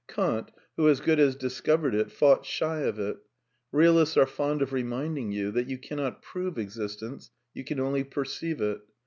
Kant, who as good as discovered it, fought shy of it. Realists are fond of reminding you that you cannot prove existence, you can only perceive it.